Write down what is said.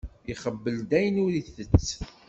Ixebbel-d ayen ur itett.